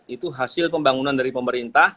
itu hasil pembangunan dari pemerintah